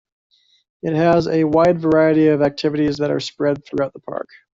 It has a wide variety of activities that are spread throughout the park.